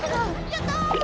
やったー！